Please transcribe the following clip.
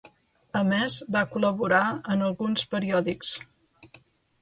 A més, va col·laborar en alguns periòdics.